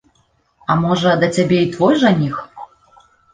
А можа, да цябе і твой жаніх?